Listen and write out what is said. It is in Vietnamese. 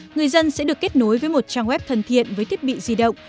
người dân sẽ được kết nối với một trang web thân thiện với thiết bị di động